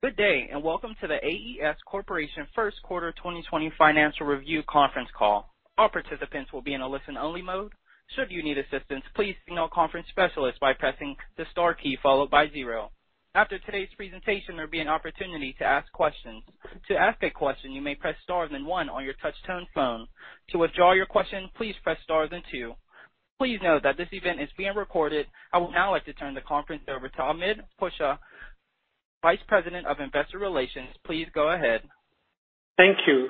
Good day and welcome to The AES Corporation First Quarter 2020 Financial Review Conference call. All participants will be in a listen-only mode. Should you need assistance, please signal conference specialists by pressing the Star key followed by zero. After today's presentation there will be an opportunity to ask questions. To ask a question, you may press Star then one on your touch-tone phone. To withdraw your question, please press Star then two. Please note that this event is being recorded. I would now like to turn the conference over to Ahmed Pasha, Vice President of Investor Relations. Please go ahead. Thank you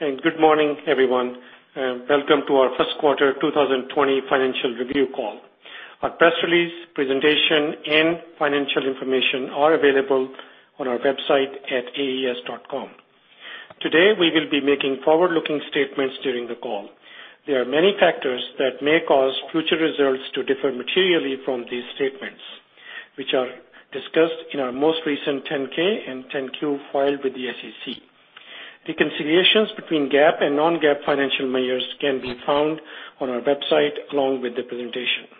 and good morning everyone. Welcome to our first quarter 2020 financial review call. Our press release, presentation and financial information are available on our website at AES.com. Today we will be making forward-looking statements during the call. There are many factors that may cause future results to differ materially from these statements, which are discussed in our most recent 10-K and 10-Q filed with the SEC. Reconciliations between GAAP and non-GAAP financial measures can be found on our website along with the presentation.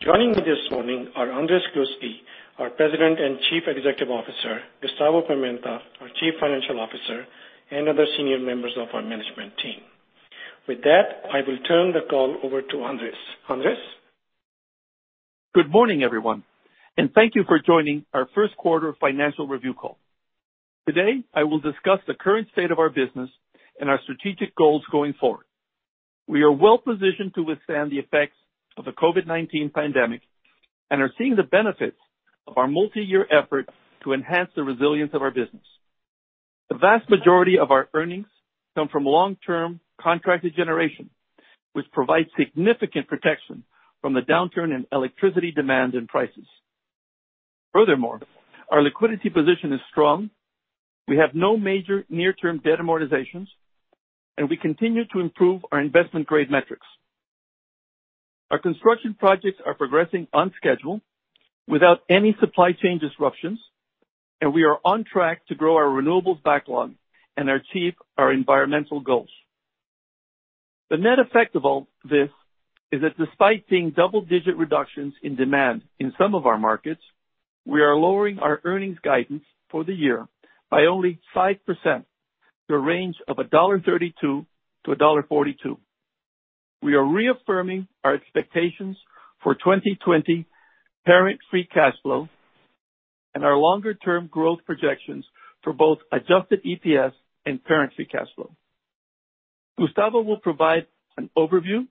Joining me this morning are Andrés Gluski, our President and Chief Executive Officer, Gustavo Pimenta, our Chief Financial Officer and other senior members of our management team. With that, I will turn the call. Over to Andrés Gluski. Good morning, everyone, and thank you for joining our first quarter financial review call. Today I will discuss the current state of our business and our strategic goals going forward. We are well positioned to withstand the effects of the COVID-19 pandemic and are seeing the benefits of our multi-year effort to enhance the resilience of our business. The vast majority of our earnings come from long-term contracted generation, which provides significant protection from the downturn in electricity demand and prices. Furthermore, our liquidity position is strong, we have no major near-term debt amortizations, and we continue to improve our investment grade metrics. Our construction projects are progressing on schedule without any supply chain disruptions and we are on track to grow our renewables backlog and achieve our environmental goals. The net effect of all this is that despite seeing double-digit reductions in demand in some of our markets, we are lowering our earnings guidance for the year by only 5% to a range of $1.32-$1.42. We are reaffirming our expectations for 2020 and parent free cash flow and our longer-term growth projections for both adjusted EPS and parent free cash flow. Gustavo will provide an overview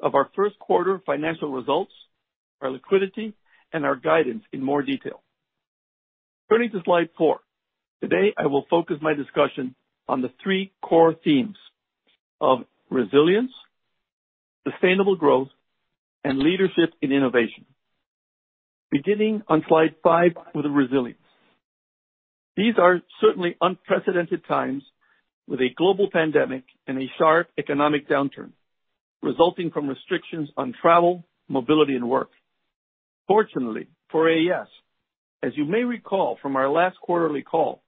of our first quarter financial results, our liquidity and our guidance in more detail. Turning to slide 4, today I will focus my discussion on the three core themes of Resilience, sustainable growth and leadership in innovation. Beginning on slide 5 with Resilience, these are certainly unprecedented times with a global pandemic and a sharp economic downturn resulting from restrictions on travel, mobility and work. Fortunately for AES, as you may recall from our last quarterly call,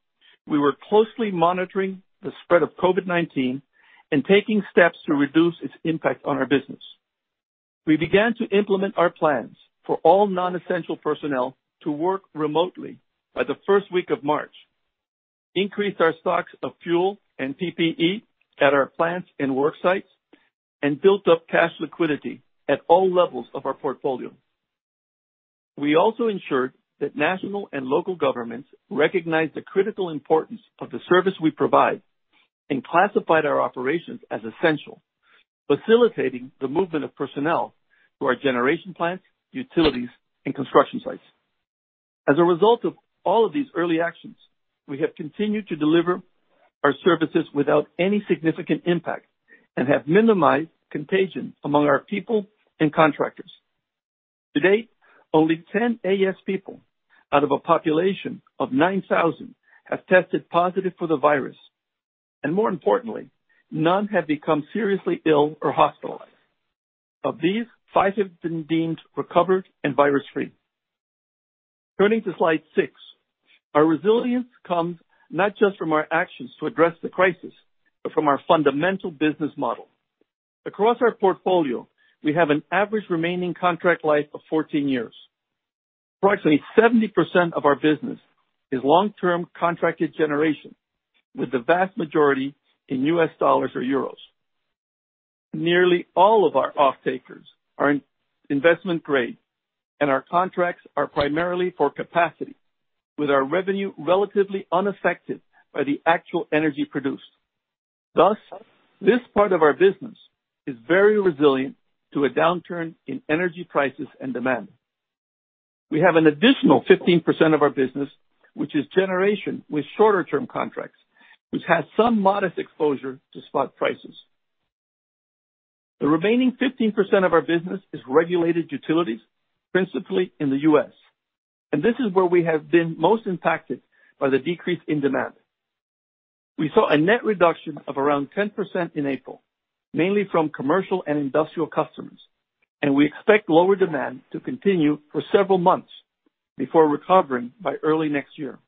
we were closely monitoring the spread of COVID-19 and taking steps to reduce its impact on our business. We began to implement our plans for all non-essential personnel to work remotely by the first week of March, increased our stocks of fuel and PPE at our plants and work sites, and built up cash liquidity at all levels of our portfolio. We also ensured that national and local governments recognized the critical importance of the service we provide and classified our operations as essential, facilitating the movement of personnel to our generation plants, utilities and construction sites. As a result of all of these early actions, we have continued to deliver our services without any significant impact and have minimized contagion among our people and contractors. To date, only 10 AES people out of a population of 9,000 have tested positive for the virus, and more importantly, none have become seriously ill or hospitalized. Of these, five have been deemed recovered and virus free. Turning to Slide 6, our resilience comes not just from our actions to address the crisis, but from our fundamental business model. Across our portfolio, we have an average remaining contract life of 14 years. Approximately 70% of our business is long-term contracted generation, with the vast majority in U.S. dollars or euros. Nearly all of our offtakers are investment grade, and our contracts are primarily for capacity, with our revenue relatively unaffected by the actual energy produced. Thus, this part of our business is very resilient to a downturn in energy prices and demand. We have an additional 15% of our business which is generation with shorter term contracts which has some modest exposure to spot prices. The remaining 15% of our business is regulated utilities, principally in the U.S. and this is where we have been most impacted by the decrease in demand. We saw a net reduction of around 10% in April, mainly from commercial and industrial customers, and we expect lower demand to continue for several months before recovering by early next year.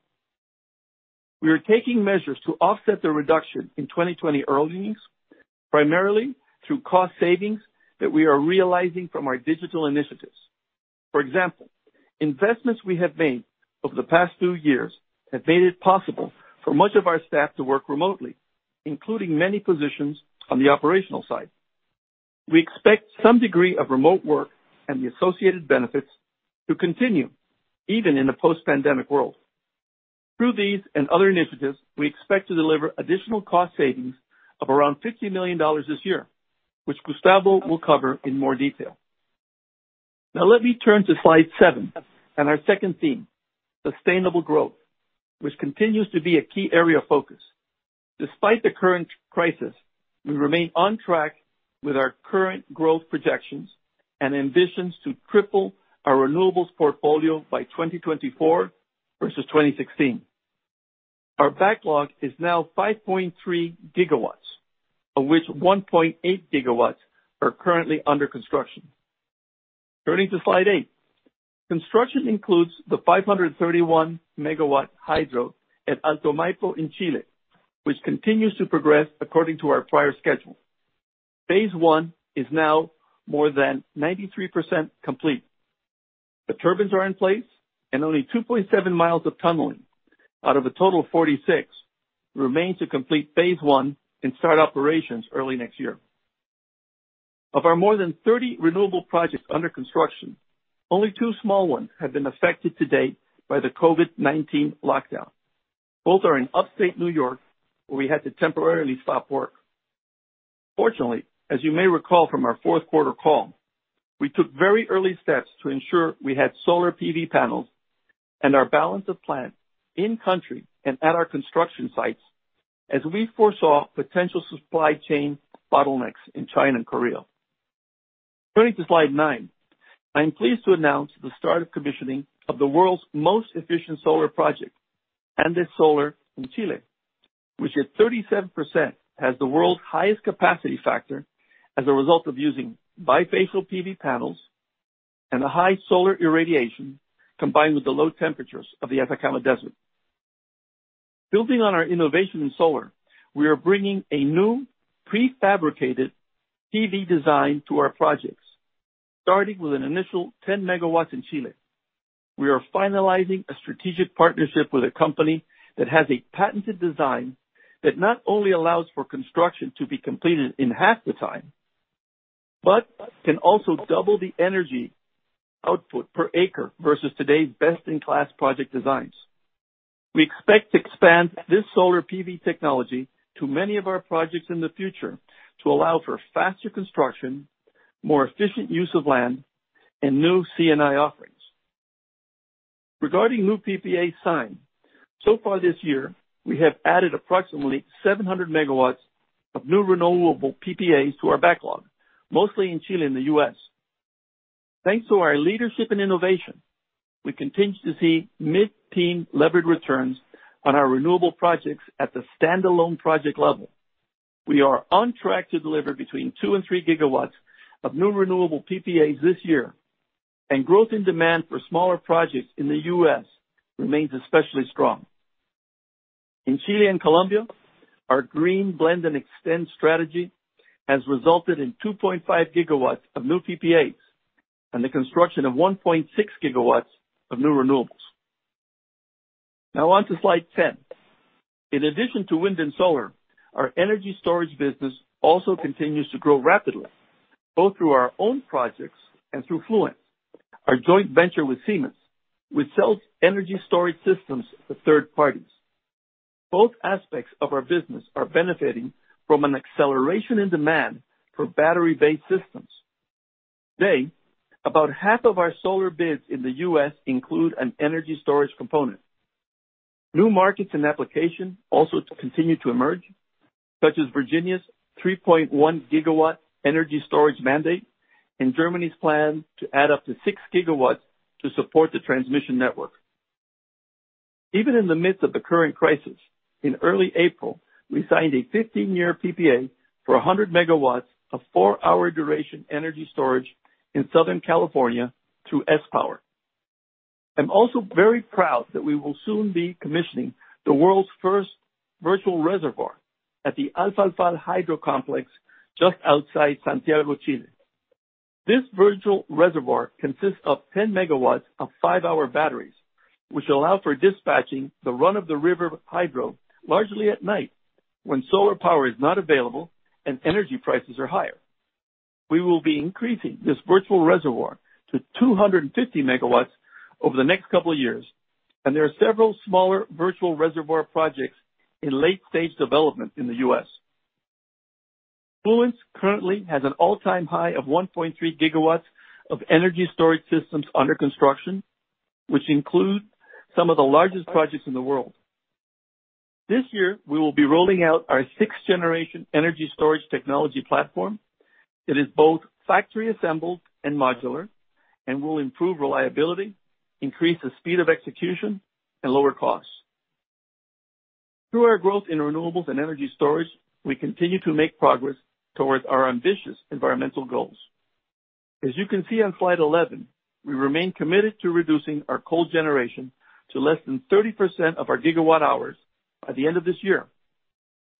We are taking measures to offset the reduction in 2020 earnings, primarily through cost savings that we are realizing from our digital initiatives. For example, investments we have made over the past few years have made it possible for much of our staff to work remotely, including many positions. On the operational side, we expect some degree of remote work and the associated benefits to continue even in the post-pandemic world. Through these and other initiatives we expect to deliver additional cost savings of around $50 million this year, which Gustavo will cover in more detail. Now let me turn to Slide 7 and our second theme, sustainable growth, which continues to be a key area of focus despite the current crisis. We remain on track with our current growth projections and ambitions to triple our renewables portfolio by 2024 versus 2016. Our backlog is now 5.3 gigawatts of which 1.8 gigawatts are currently under construction. Turning to Slide 8, construction includes the 531 megawatt hydro at Alto Maipo in Chile, which continues to progress according to our prior schedule. Phase one is now more than 93% complete, the turbines are in place and only 2.7 miles of tunneling out of a total of 46 remain to complete phase one and start operations early next year. Of our more than 30 renewable projects under construction, only two small ones have been affected to date by the COVID-19 lockdown. Both are in upstate New York where we had to temporarily stop work. Fortunately, as you may recall from our fourth quarter call, we took very early steps to ensure we had solar PV panels and our balance of plant in country and at our construction sites as we foresaw potential supply chain bottlenecks in China and Korea. Turning to Slide 9, I am pleased to announce the start of commissioning of the world's most efficient solar project, Andes Solar in Chile, which at 37% has the world's highest capacity factor as a result of using bifacial PV panels and the high solar irradiation combined with the low temperatures of the Atacama Desert. Building on our innovation in solar, we are bringing a new prefabricated PV design to our projects starting with an initial 10 megawatts. In Chile, we are finalizing a strategic partnership with a company that has a patented design that not only allows for construction to be completed in half the time, but can also double the energy output per acre versus today's best in class project designs. We expect to expand this solar PV technology to many of our projects in the future to allow for faster construction, more efficient use of land and new C&I offerings. Regarding new PPA sign, so far this year we have added approximately 700 megawatts of new renewable PPAs to our backlog, mostly in Chile and the U.S. Thanks to our leadership and innovation we continue to see mid-teen levered returns on our renewable projects. At the stand-alone project level, we are on track to deliver between 2 and 3 gigawatts of new renewable PPAs this year and growth in demand for smaller projects in the U.S. remains especially strong in Chile and Colombia. Our Green Blend and Extend strategy has resulted in 2.5 gigawatts of new PPAs and the construction of 1.6 gigawatts of new renewables. Now on to Slide 10. In addition to wind and solar, our energy storage business also continues to grow rapidly both through our own projects and through Fluence, our joint venture with Siemens which sells energy storage systems to third parties. Both aspects of our business are benefiting from an acceleration in demand for battery based systems. Today, about half of our solar bids in the U.S. include an energy storage component. New markets and applications also continue to emerge such as Virginia's 3.1 gigawatt energy storage mandate and Germany's plan to add up to 6 gigawatts to support the transmission network even in the midst of the current crisis. In early April we signed a 15-year PPA for 100 megawatts of 4-hour duration energy storage in Southern California through sPower. I'm also very proud that we will soon be commissioning the world's first virtual reservoir at the Alfalfal Hydro Complex just outside Santiago, Chile. This virtual reservoir consists of 10 megawatts of 5-hour batteries which allow for dispatching the run-of-the-river hydro largely at night when solar power is not available and energy prices are higher. We will be increasing this virtual reservoir to 250 megawatts over the next couple of years and there are several smaller virtual reservoir projects in late-stage development in the U.S. Fluence currently has an all-time high of 1.3 gigawatts of energy storage systems under construction which include some of the largest projects in the world. This year we will be rolling out our sixth-generation energy storage technology platform. It is both factory assembled and modular and will improve reliability, increase the speed of execution and lower costs. Through our growth in renewables and energy storage, we continue to make progress towards our ambitious environmental goals. As you can see on Slide 11, we remain committed to reducing our coal generation to less than 30% of our gigawatt hours by the end of this year,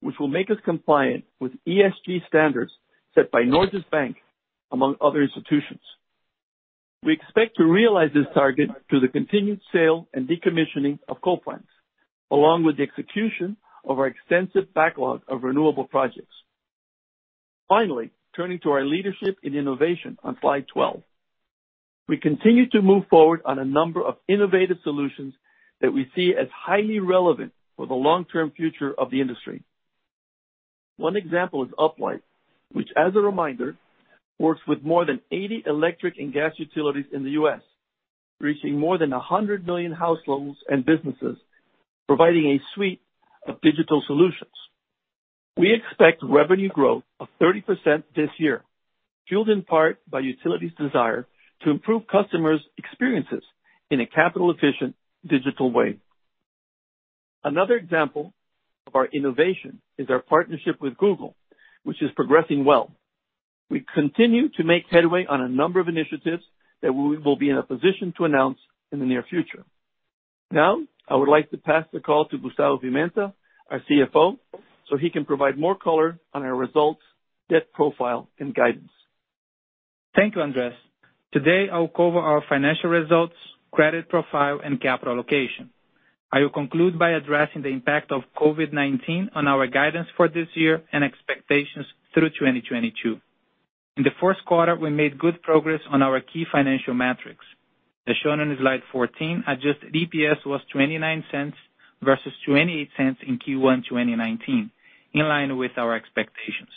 which will make us compliant with ESG standards set by Norges Bank among other institutions. We expect to realize this target through the continued sale and decommissioning of coal plants along with the execution of our extensive backlog of renewable projects. Finally, turning to our leadership in innovation on Slide 12, we continue to move forward on a number of innovative solutions that we see as highly relevant for the long term future of the industry. One example is Uplight, which, as a reminder, works with more than 80 electric and gas utilities in the U.S. reaching more than 100 million households and businesses providing a suite of digital solutions. We expect revenue growth of 30% this year, fueled in part by utilities' desire to improve customers' experiences in a capital-efficient digital way. Another example of our innovation is our partnership with Google, which is progressing well. We continue to make headway on a number of initiatives that we will be in a position to announce in the near future. Now I would like to pass the call to Gustavo Pimenta, our CFO, so he can provide more color on our results, debt profile, and guidance. Thank you, Andrés. Today I will cover our financial results, credit profile and capital allocation. I will conclude by addressing the impact of COVID-19 on our guidance for this year and expectations through 2022. In the fourth quarter we made good progress on our key financial metrics. As shown on Slide 14, adjusted EPS was $0.29 versus $0.28 in Q1 2019. In line with our expectations,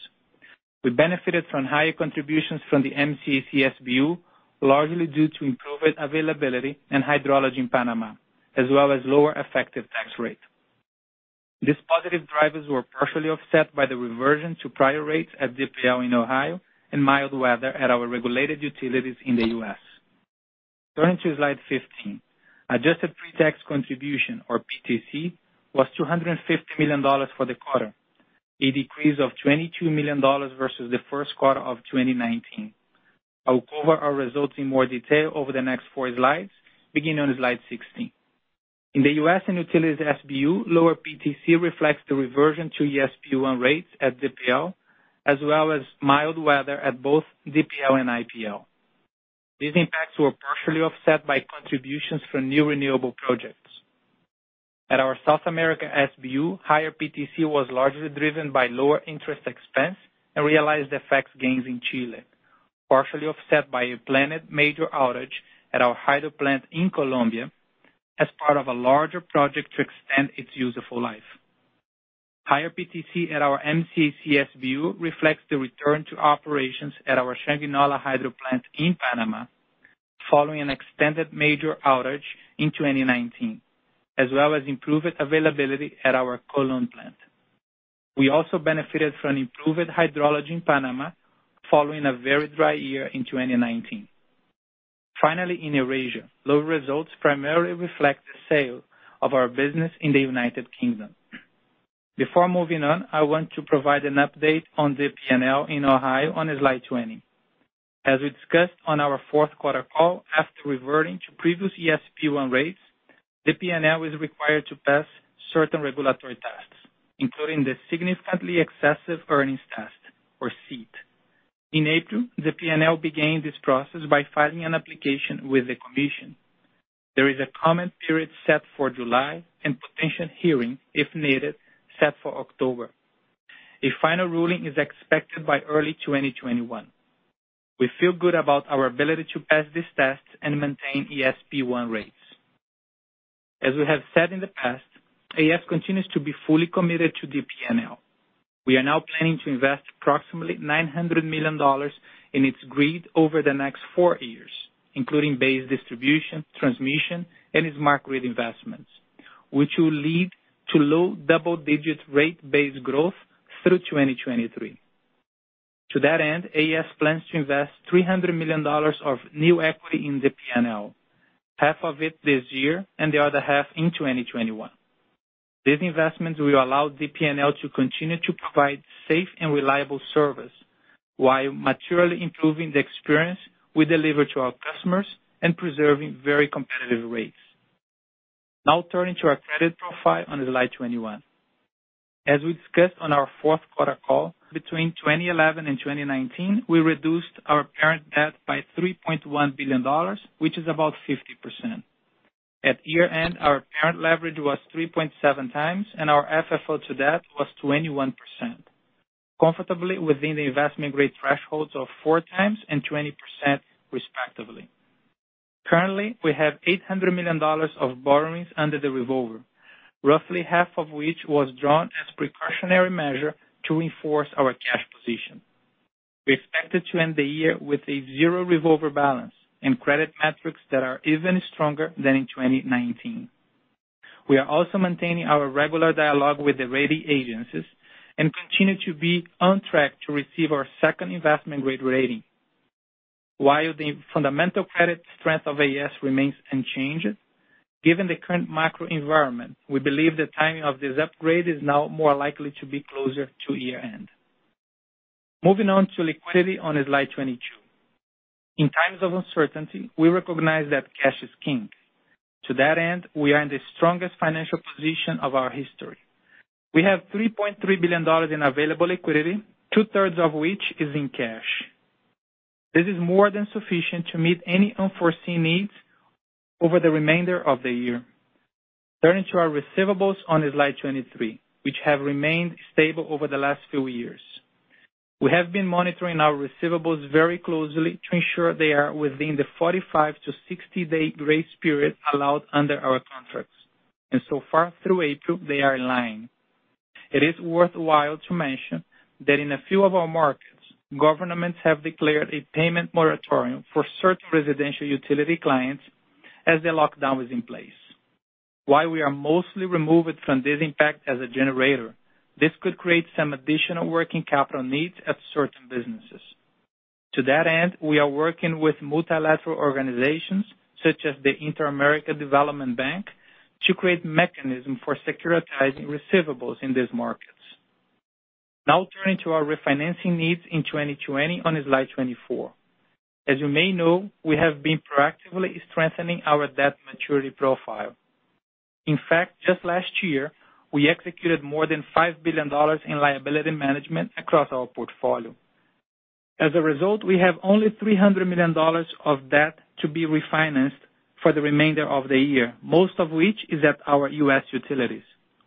we benefited from higher contributions from the MCAC SBU, largely due to improved availability and hydrology in Panama as well as lower effective tax rate. These positive drivers were partially offset by the reversion to prior rates at DPL in Ohio and mild weather at our regulated utilities in the U.S. Turning to Slide 15, adjusted pre-tax contribution or PTC was $250 million for the quarter, a decrease of $22 million versus the first quarter of 2019. I will cover our results in more detail over the next four slides beginning on slide 16. In the U.S. and Utilities SBU, lower PTC reflects the reversion to ESP 1 rates at DPL as well as mild weather at both DPL and IPL. These impacts were partially offset by contributions from new renewable projects. At our South America SBU, higher PTC was largely driven by lower interest expense and realized FX gains in Chile, partially offset by a planned major outage at our hydro plant in Colombia as part of a larger project to extend its useful life. Higher PTC at our MCAC SBU reflects the return to operations at our Changuinola hydro plant in Panama following an extended major outage in 2019 as well as improved availability at our Colon plant. We also benefited from improved hydrology in Panama following a very dry year in 2019. Finally, in Eurasia, low results primarily reflect the sale of our business in the United Kingdom. Before moving on, I want to provide an update on the DP&L in Ohio on slide 20. As we discussed on our fourth quarter call, after reverting to previous ESP1 rates, the DP&L is required to pass certain regulatory tests, including the Significantly Excessive Earnings Test or SEET. In April, the DP&L began this process by filing an application with the Commission. There is a comment period set for July and potential hearing if needed, set for October. A final ruling is expected by early 2021. We feel good about our ability to pass this test and maintain ESP1 rates. As we have said in the past, AES continues to be fully committed to DP&L. We are now planning to invest approximately $900 million in its grid over the next four years, including base distribution, transmission and smart grid investments which will lead to low double-digit rate base growth through 2023. To that end, AES plans to invest $300 million of new equity in the P&L, half of it this year and the other half in 2021. These investments will allow DP&L to continue to provide safe and reliable service while materially improving the experience we deliver to our customers and preserving very competitive rates. Now turning to our credit profile on slide 21, as we discussed on our fourth quarter call, between 2011 and 2019 we reduced our parent debt by $3.1 billion, which is about 50%. At year end our parent leverage was 3.7 times and our FFO to debt was 21%, comfortably within the investment grade thresholds of 4 times and 20% respectively. Currently we have $800 million of borrowings under the revolver, roughly half of which was drawn as precautionary measure to reinforce our cash position. We expected to end the year with a zero revolver balance and credit metrics that are even stronger than in 2019. We are also maintaining our regular dialogue with the rating agencies and continue to be on track to receive our second investment grade rating. While the fundamental credit strength of AES remains unchanged, given the current macro environment, we believe the timing of this upgrade is now more likely to be closer to year end. Moving on to Liquidity on slide 22, in times of uncertainty, we recognize that cash is king. To that end, we are in the strongest financial position of our history. We have $3.3 billion in available liquidity, two-thirds of which is in cash. This is more than sufficient to meet any unforeseen needs over the remainder of the year. Turning to our receivables on slide 23 which have remained stable over the last few years, we have been monitoring our receivables very closely to ensure they are within the 45-60-day grace period allowed under our contracts and so far through April they are in line. It is worthwhile to mention that in a few of our markets governments have declared a payment moratorium for certain residential utility clients as the lockdown is in place. While we are mostly removed from this impact as a generator, this could create some additional working capital needs at certain businesses. To that end, we are working with multilateral organizations such as the Inter-American Development Bank to create mechanisms for securitizing receivables in these markets. Now turning to our refinancing needs in 2020 on slide 24, as you may know, we have been proactively strengthening our debt maturity profile. In fact, just last year we executed more than $5 billion in liability management across our portfolio. As a result, we have only $300 million of debt to be refinanced for the remainder of the year, most of which is at our U.S. Utilities.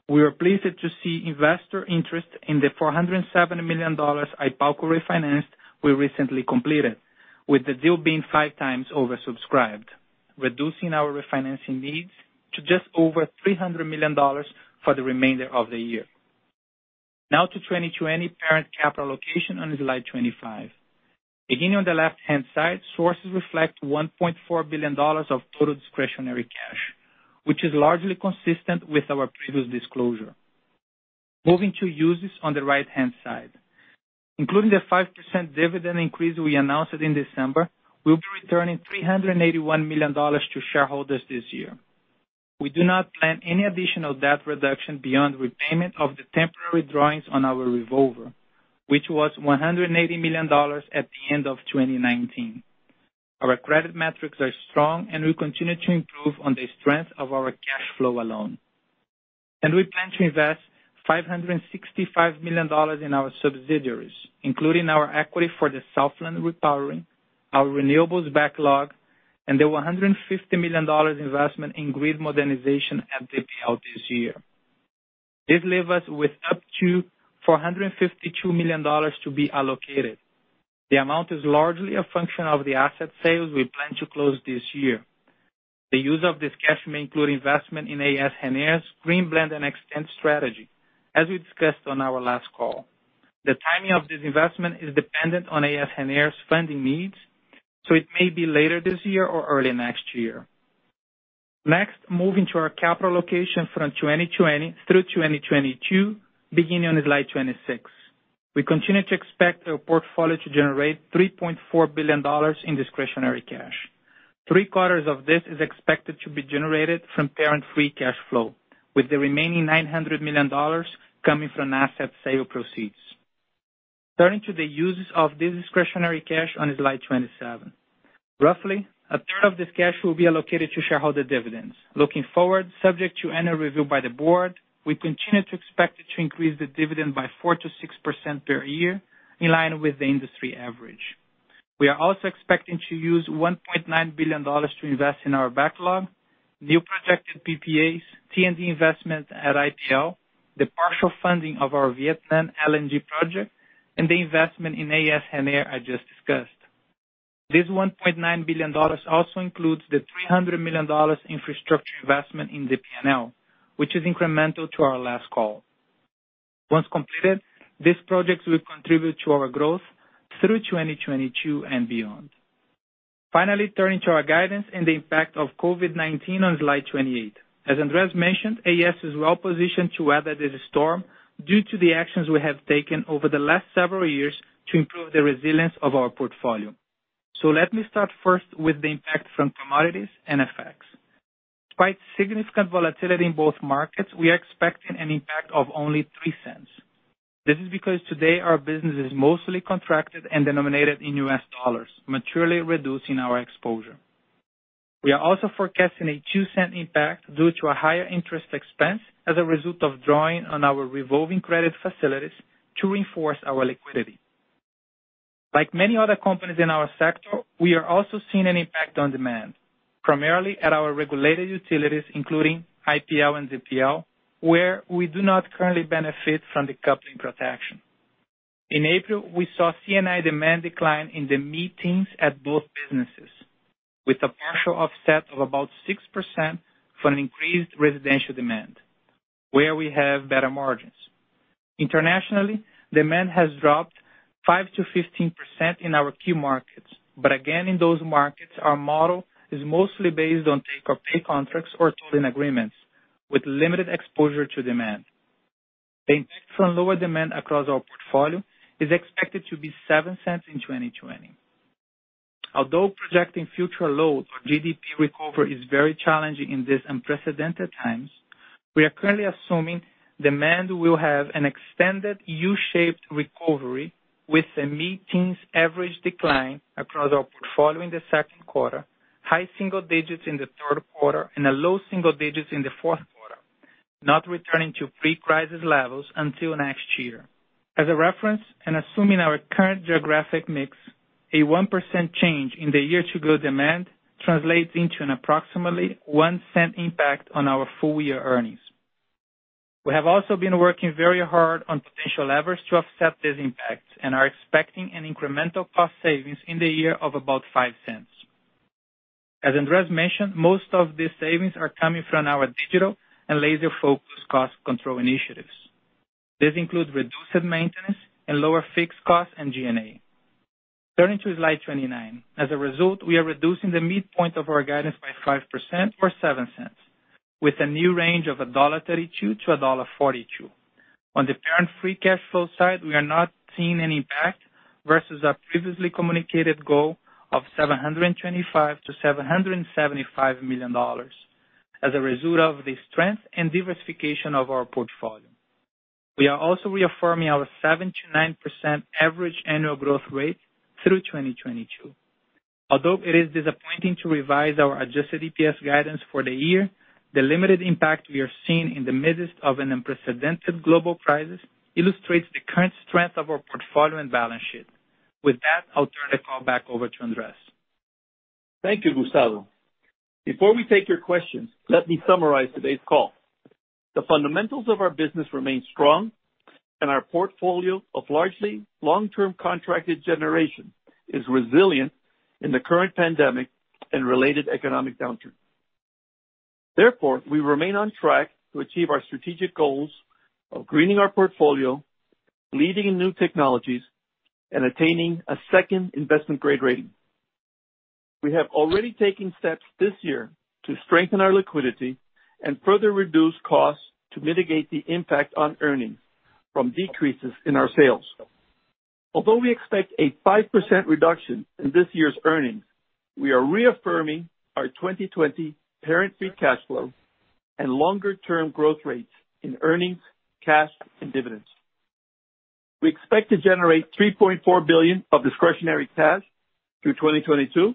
We are pleased to see investor interest in the $407 million IPALCO refinancing we recently completed with the deal being five times oversubscribed, reducing our refinancing needs to just over $300 million for the remainder of the year. Now to 2020 parent capital allocation on slide 25 beginning on the left hand side. Sources reflect $1.4 billion of total discretionary cash which is largely consistent with our previous disclosure. Moving to uses on the right hand side, including the 5% dividend increase we announced in December, we will be returning $381 million to shareholders this year. We do not plan any additional debt reduction beyond repayment of the temporary drawings on our Revolver which was $180 million at the end of 2019. Our credit metrics are strong and we continue to improve on the strength of our cash flow alone and we plan to invest $565 million in our subsidiaries, including our equity for the Southland repowering, our renewables backlog and the $150 million investment in grid modernization at IPL this year. This leaves us with up to $452 million to be allocated. The amount is largely a function of the asset sales we plan to close this year. The use of this cash may include investment in AES Gener's Green Blend and Extend strategy. As we discussed on our last call, the timing of this investment is dependent on AES Gener's funding needs, so it may be later this year or early next year. Next, moving to our capital allocation from 2020 through 2022 beginning on slide 26, we continue to expect our portfolio to generate $3.4 billion in discretionary cash. Three quarters of this is expected to be generated from parent free cash flow with the remaining $900 million coming from asset sale proceeds. Turning to the uses of this discretionary cash on slide 27, roughly a third of this cash will be allocated to shareholder dividends. Looking forward, subject to annual review by the Board, we continue to expect to increase the dividend by 4%-6% per year, in line with the industry average. We are also expecting to use $1.9 billion to invest in our backlog, new projected PPAs, T&D investment at IPL, the partial funding of our Vietnam LNG project, and the investment in AES Gener I just discussed. This $1.9 billion also includes the $300 million infrastructure investment in the PNL, which is incremental to our last call. Once completed, these projects will contribute to our growth through 2022 and beyond. Finally, turning to our guidance and the impact of COVID-19 on slide 28, as Andrés mentioned, AES is well positioned to weather this storm due to the actions we have taken over the last several years to improve the resilience of our portfolio, so let me start first with the impact from commodities and fx. Despite significant volatility in both markets, we are expecting an impact of only $0.03. This is because today our business is mostly contracted and denominated in U.S. dollars, materially reducing our exposures. We are also forecasting a $0.02 impact due to a higher interest expense as a result of drawing on our revolving credit facilities to reinforce our liquidity. Like many other companies in our sector, we are also seeing an impact on demand primarily at our regulated utilities including IPL and DPL, where we do not currently benefit from decoupling protection. In April we saw C&I demand decline in the mid-teens at both businesses with a partial offset of about 6% from an increased residential demand where we have better margins. Internationally, demand has dropped 5%-15% in our key markets, but again in those markets our model is mostly based on take-or-pay contracts or tolling agreements with limited exposure to demand. The impact from lower demand across our portfolio is expected to be $0.07 in 2020. Although projecting future load or GDP recovery is very challenging in these unprecedented times, we are currently assuming demand will have an extended U-shaped recovery with a mid-teens average decline across our portfolio in the second quarter, high single digits in the third quarter and low single digits in the fourth quarter, not returning to pre-crisis levels until next year. As a reference and assuming our current geographic mix, a 1% change in year-over-year demand translates into approximately a $0.01 impact on our full year earnings. We have also been working very hard on potential levers to offset these impacts and are expecting an incremental cost savings in the year of about $0.05. As Andrés mentioned, most of these savings are coming from our digital and laser focused cost control initiatives. This includes reduced maintenance and lower fixed costs and G&A, turning to slide 29. As a result, we are reducing the midpoint of our guidance by 5% or $0.07 with a new range of $1.32-$1.42. On the parent free cash flow side, we are not seeing any impact versus our previously communicated goal of $725-$775 million. As a result of the strength and diversification of our portfolio, we are also reaffirming our 7%-9% average annual growth rate through 2022. Although it is disappointing to revise our adjusted EPS guidance for the year, the limited impact we are seeing in the midst of an unprecedented global crisis illustrates the current strength of our portfolio and balance sheet. With that, I'll turn the call back over to Andrés. Thank you Gustavo. Before we take your questions, let me summarize today's call. The fundamentals of our business remain strong and our portfolio of largely long term contracted generation is resilient in the current. Pandemic and related economic downturn. Therefore, we remain on track to achieve our strategic goals of greening our portfolio, leading in new technologies and attaining a second Investment Grade rating. We have already taken steps this year to strengthen our liquidity and further reduce costs to mitigate the impact on earnings from decreases in our sales. Although we expect a 5% reduction in this year's earnings, we are reaffirming our 2020 parent free cash flow and longer term growth rates in earnings, cash and dividends. We expect to generate $3.4 billion of discretionary cash through 2022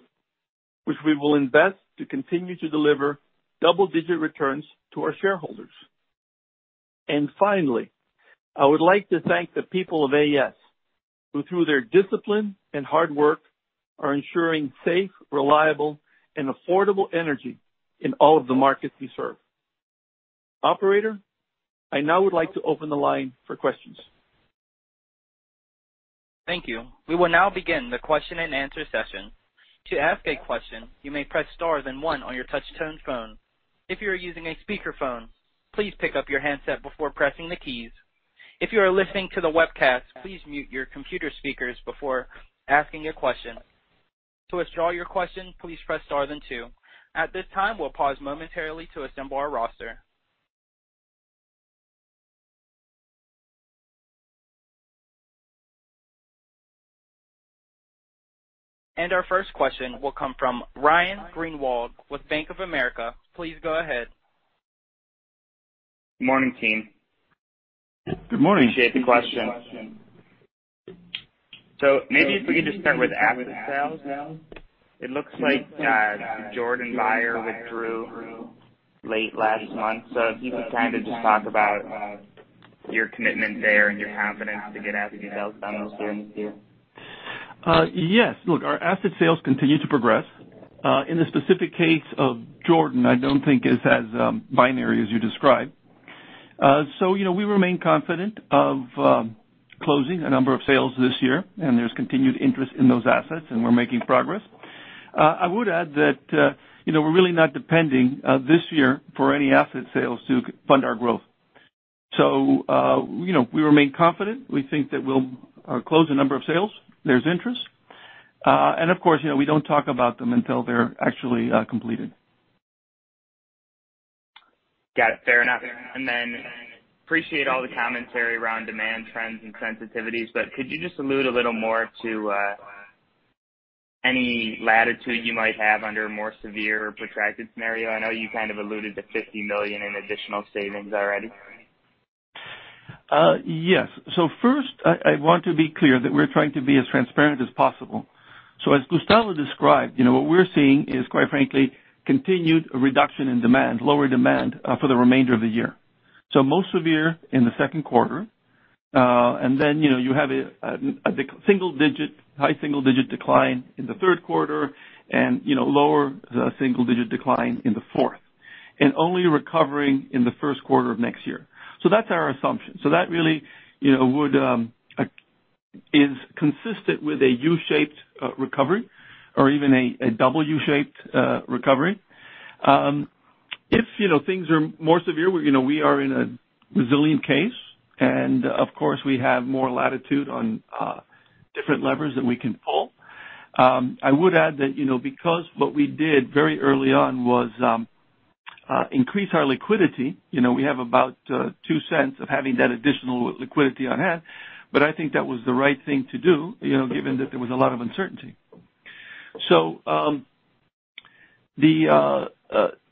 which we will invest to continue to deliver double-digit returns to our shareholders. And finally, I would like to thank the people of AES who through their discipline and hard work are ensuring safe, reliable and affordable energy in all of the markets we serve. Operator, I now would like to open the line for questions. Thank you. We will now begin the question and answer session. To ask a question, you may press stars and one on your touchtone phone. If you are using a speakerphone, please pick up your handset before pressing the keys. If you are listening to the webcast, please mute your computer speakers before asking your question. To withdraw your question, please press Star then two. At this time, we'll pause momentarily to assemble our roster, and our first question will come from Ryan Greenwald with Bank of America. Please go ahead. Good morning, team. Good morning. Appreciate the question. So maybe if we could just start with asset sales. Now it looks like Jordan Buyer withdrew late last month. So if you could kind of just talk about your commitment there and your confidence to get asset sales done this year, next year. Yes. Look, our asset sales continue to progress. In the specific case of Jordan, I don't think it has binary as you described. So we remain confident of closing a number of sales this year and there's continued interest in those assets and we're making progress. I would add that we're really not depending this year for any asset sales. To fund our growth. So we remain confident, we think that. We'll close a number of sales, there's. Interest, and of course, we don't talk about them until they're actually completed. Got it. Fair enough and then appreciate all the commentary around demand trends and sensitivities but could you just allude a little more to any latitude you might have under a more severe protracted scenario? I know you kind of alluded to $50 million in additional savings already. Yes. So first I want to be clear that we're trying to be as transparent as possible. So as Gustavo described, what we're seeing is quite frankly, continued reduction in demand, lower demand for the remainder of the. Yeah, so most severe in the second quarter. And then you have a single-digit, high single-digit decline in the third quarter and lower single-digit decline in the fourth and only recovering in the first quarter of next year. So that's our assumption. So that really, you know, would be consistent with a U-shaped recovery or even a double U-shaped recovery if. You know, things are more severe. You know, we are in a resilient case and of course we have more latitude on different levers that we can pull. I would add that, you know, because what we did very early on was increase our liquidity. You know, we have about $0.02 from having that additional liquidity on hand. But I think that was the right thing to do, you know, given that there was a lot of uncertainty. So the,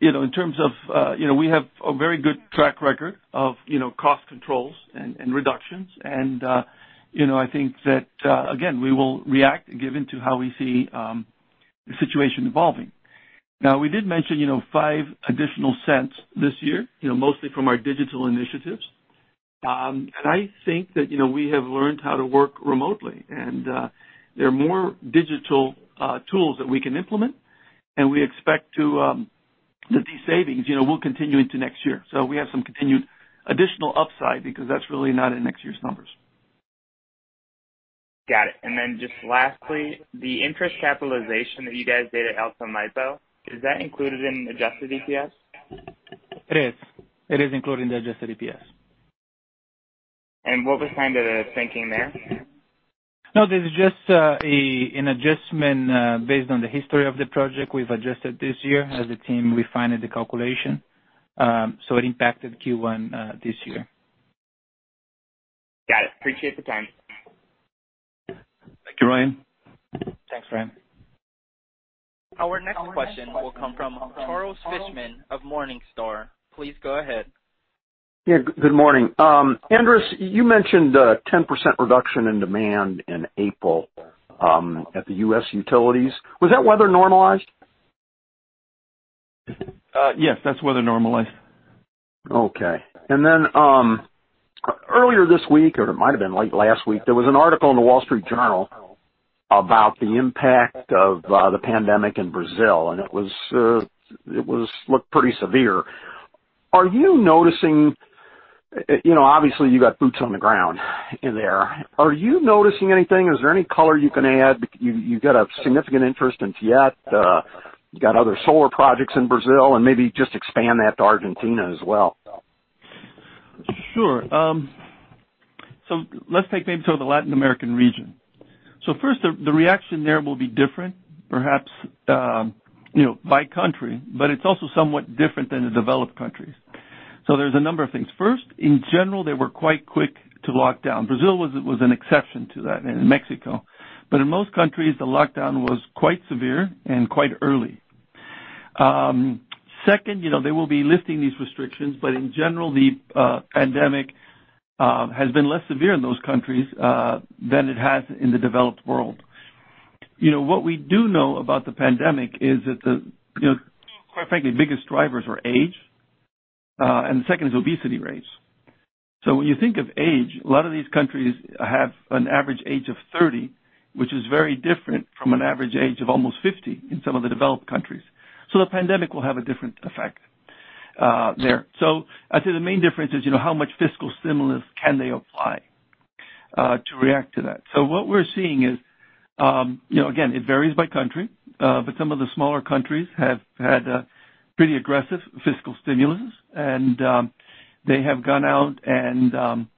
you know, in terms of, you know, we have a very good track record of, you know, cost controls and reductions. And, you know, I think that again, we will react given to how we see the situation evolving. Now, we did mention, you know, $0.05 additional this year, you know, mostly from our digital initiatives. I think that we have learned. How to work remotely and there are. More digital tools that we can implement. We expect that these savings will continue into next year, so we have some continued additional upside because that's really not in next year's numbers. Got it. And then just lastly, the interest capitalization that you guys did at Alto Maipo, is that included in Adjusted EPS? It is. It is including the Adjusted EPS. What was kind of the thinking there? No, this is just an adjustment based on the history of the project. We've adjusted this year as the team refined the calculation, so it impacted Q1 this year. Got it. Appreciate the time. Thank you, Ryan. Thanks, Ryan. Our next question will come from Charles Fishman of Morningstar. Please go ahead. Good morning, Andrés. You mentioned 10% reduction in demand in April at the U.S. utilities. Was that weather normalized? Yes, that's weather normalized. Okay. Then earlier this week, or it might have been late last week, there was an article in the Wall Street Journal. Journal about the impact of the pandemic. In Brazil, and it looked pretty severe. Are you noticing, you know, obviously you? Got boots on the ground in there. Are you noticing anything? Is there any color you can add? You've got a significant interest in Tietê. You got other solar projects in Brazil, and maybe just expand that to Argentina as well. Sure. So let's take maybe to the Latin American region. So first, the reaction there will be different, perhaps by country, but it's also somewhat different than the developed countries. So there's a number of things. First, in general, they were quite quick to lock down. Brazil was an exception to that in Mexico, but in most countries, the lockdown was quite severe and quite early. Second, they will be lifting these restrictions, but in general, the pandemic has been less severe in those countries than it has in the developed world. You know, what we do know about. The pandemic is that, quite frankly, biggest drivers are age, and the second is obesity rates, so when you think of age, a lot of these countries have an average age of 30, which is very different from an average age of almost 50 in some of the developed countries, so the pandemic will have a different effect there, so I'd say the main difference is, you know, how much fiscal stimulus can. They apply to react to that. So what we're seeing is, you know, again, it varies by country, but some of the smaller countries have had pretty aggressive fiscal stimulus, and they have gone out and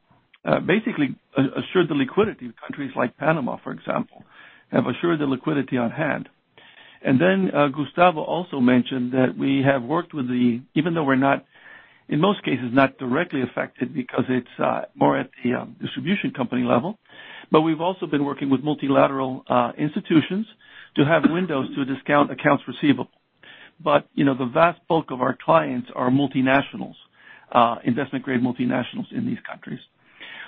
basically assured the liquidity of countries like Panama, for example, have assured the liquidity on hand. And then Gustavo also mentioned that we have worked with the. Even though we're not, in most cases, not directly affected because it's more at the distribution company level. But we've also been working with multilateral institutions to have windows to discount accounts receivable. But you know, the vast bulk of our clients are multinationals, investment grade multinationals in these countries.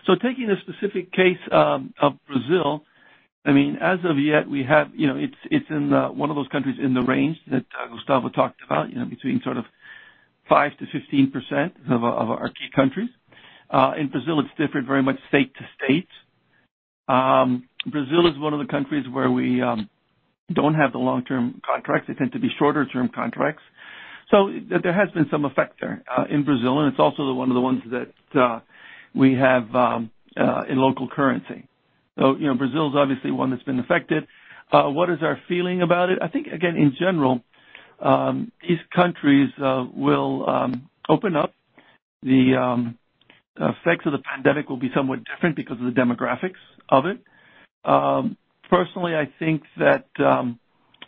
So taking a specific case of Brazil, I mean, as of yet we have, you know, it's in one of those countries in the range that Gustavo talked about, you know, between sort of 5%-15% of our key countries. In Brazil, it's different very much state to state. Brazil is one of the countries where we don't have the long term contracts. They tend to be shorter term contracts. So there has been some effect there in Brazil. And it's also one of the ones that we have in local currency. So, you know, Brazil is obviously one that's been affected. What is our feeling about it? I think again, in general these countries will open up. The effects of the pandemic will be somewhat different because of the demographics of it. Personally, I think that,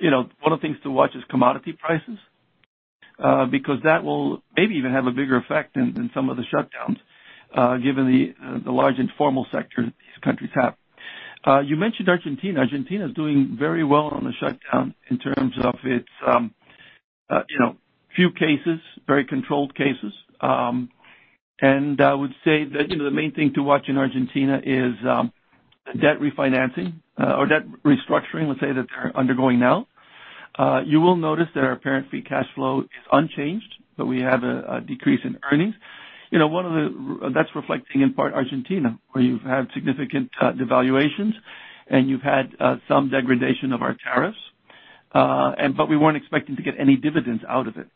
you know, one of the things to watch is commodity prices because that will maybe even have a bigger effect than some of the shutdowns given the large informal sector these countries. Have you mentioned Argentina? Argentina is doing very well on the shutdown in terms of its, you know, few cases, very controlled cases. And I would say that, you know, the main thing to watch in Argentina is debt refinancing or debt restructuring, let's say that they're undergoing. Now, you will notice that our parent. Free cash flow is unchanged, but we. Have a decrease in earnings. You know, one of the. That's reflecting in part Argentina where you've had significant devaluations and you've had some degradation of our tariffs and. But we weren't expecting to get any. Dividends out of it.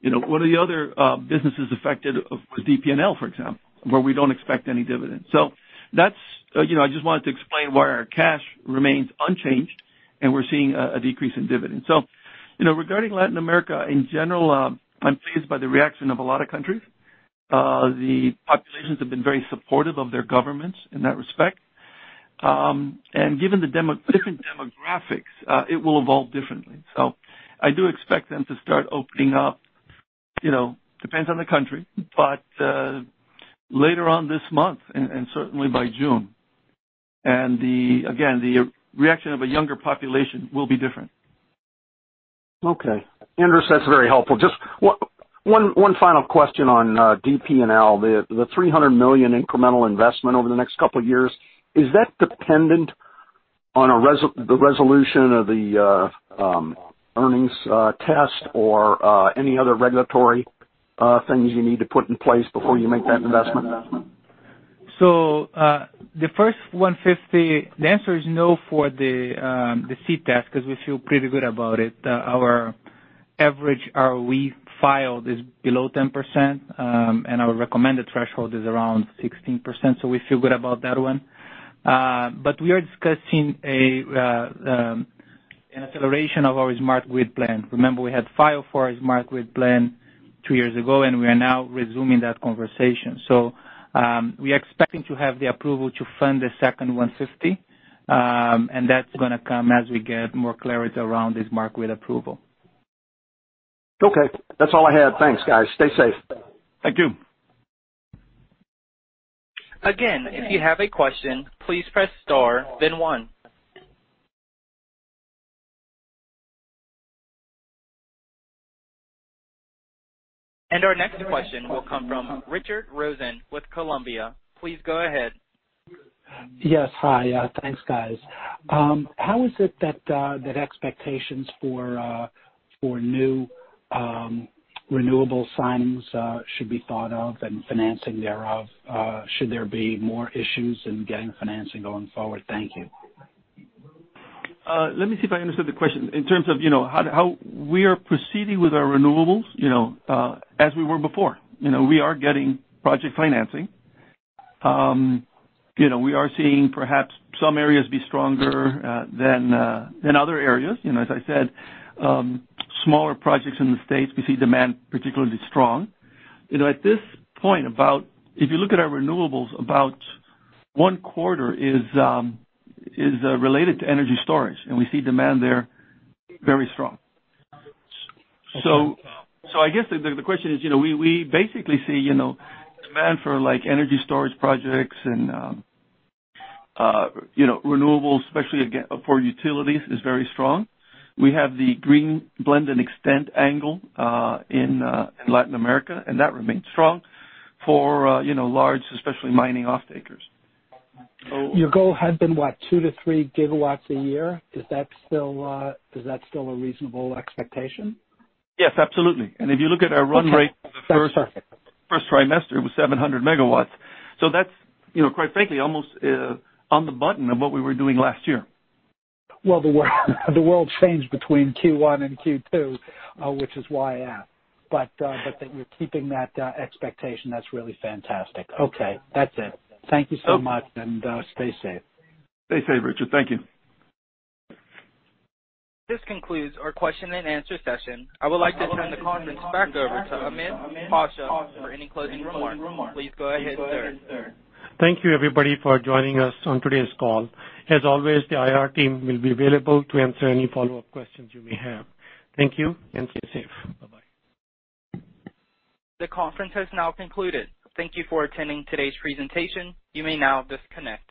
You know, one of the other businesses affected with DP&L, for example, where we don't expect any dividends. So that's, you know, I just wanted to explain why our cash remains unchanged. We're seeing a decrease in dividends. You know, regarding Latin America in general, I'm pleased by the reaction of. A lot of countries. The populations have been very supportive of their governments in that respect, and given the different demographics, it will evolve differently, so I do expect them to start opening up, you know, depends on the country, but later on this month and certainly by June, and then again, the reaction of a younger population will be different. Okay, Andrés, that's very helpful. Just one final question on DP&L, the $300 million incremental investment over the next couple of years, is that dependent on the resolution of the earnings test? Or any other regulatory things you need? To put in place before you make that investment. The first 150, the answer is no for the SEET, because we feel pretty good about it. Our average ROE filed is below 10% and our recommended threshold is around 16%. We feel good about that one. We are discussing an acceleration of our Smart Grid plan. Remember we had filed for our Smart Grid plan two years ago and we are now resuming that conversation. We are expecting to have the approval to fund the second 150 and that's going to come as we get more clarity around this market approval. Okay, that's all I had. Thanks guys. Stay safe. Thank you. Again. If you have a question, please press star then one. And our next question will come from Richard Rosen with Columbia. Please go ahead. Yes. Hi. Thanks guys. How is it that expectations for new renewable signings should be thought of and financing thereof? Should there be more issues in getting financing going forward? Thank you. Let me see if I understood the question in terms of, you know, how. We are proceeding with our renewables, you. Now, as we were before, you know, we are getting project financing, you know, we are seeing perhaps some areas be stronger than other areas. You know, as I said, smaller projects in the States, we see demand particularly. strong, you know, at this point about. If you look at our renewables, about one quarter is related to energy storage and we see demand there very strong. So I guess the question is, you know, we basically see, you know, demand for like energy storage projects and. You. No, renewables especially for utilities is very strong. We have the Green Blend and Extend angle in Latin America and that remains strong for, you know, large, especially mining off-takers. Your goal had been what, two to three gigawatts a year? Is that, is that still a reasonable expectation? Yes, absolutely. And if you look at our run rate, first quarter was 700 megawatts. So that's, you know, quite frankly almost. On the back of what we were doing last year. The world changed between Q1 and Q2, which is why. But you're keeping that expectation. That's really fantastic. Okay, that's it. Thank you so much and stay safe. Stay safe, Richard. Thank you. This concludes our question and answer session. I would like to turn the conference back over to Ahmed Pasha for any closing remarks. Please go ahead, sir. Thank you everybody for joining us on today's call. As always, the IR team will be available to answer any follow up questions you may have. Thank you and stay safe. Bye bye. The conference has now concluded. Thank you for attending today's presentation. You may now disconnect.